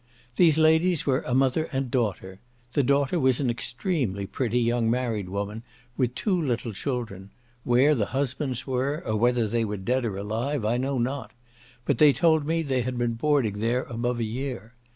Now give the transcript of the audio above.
These ladies were a mother and daughter; the daughter was an extremely pretty young married woman, with two little children. Where the husbands were, or whether they were dead or alive, I know not; but they told me they had been boarding there above a year.